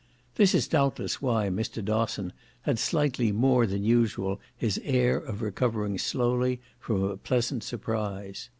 This is doubtless why Mr. Dosson had slightly more than usual his air of recovering slowly from a pleasant surprise.